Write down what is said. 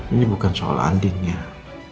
ini bukan soal andi nya